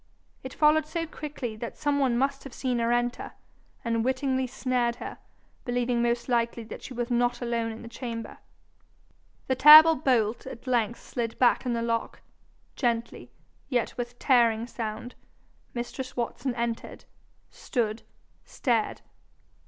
It followed so quickly, that some one must have seen her enter, and wittingly snared her, believing most likely that she was not alone in the chamber. The terrible bolt at length slid back in the lock, gently, yet with tearing sound; mistress Watson entered, stood, stared.